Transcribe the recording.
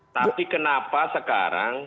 tapi kenapa sekarang